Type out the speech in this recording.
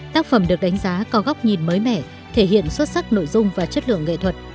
tác phẩm được đánh giá có góc nhìn mới mẻ thể hiện xuất sắc nội dung và chất lượng nghệ thuật